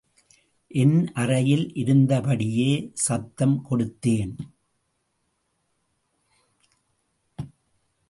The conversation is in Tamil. என் அறையில் இருந்தபடியே சப்தம் கொடுத்தேன்.